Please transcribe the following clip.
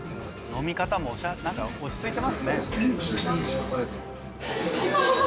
飲み方も何か落ち着いてますね。